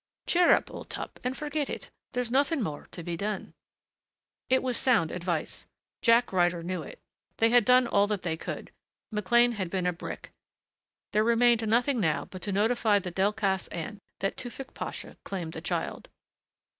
Cheer up, old top, and forget it. There's nothing more to be done." It was sound advice, Jack Ryder knew it. They had done all that they could. McLean had been a brick. There remained nothing now but to notify the Delcassé aunt that Tewfick Pasha claimed the child.